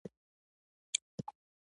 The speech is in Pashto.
قیر د اوبو ضد مصالحې په توګه کارېده